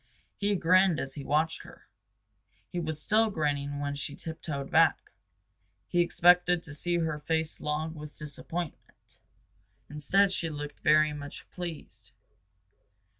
He grinned as he watched her. He was still grinning when she tiptoed back. He expected to see her face long with disappointment. Instead she looked very much pleased.